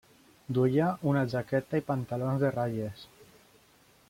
Duia una jaqueta i pantalons de ratlles.